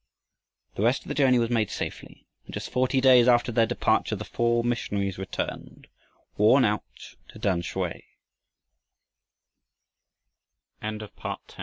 The rest of the journey was made safely, and just forty days after their departure the four missionaries returned, worn out, to Tamsui. CHAPTER XIII.